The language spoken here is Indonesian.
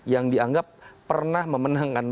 yang dianggap pernah memenangkan